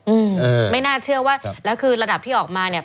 อืมไม่น่าเชื่อว่าแล้วคือระดับที่ออกมาเนี้ย